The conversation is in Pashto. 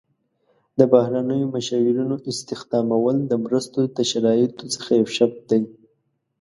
د بهرنیو مشاورینو استخدامول د مرستو د شرایطو څخه یو شرط دی.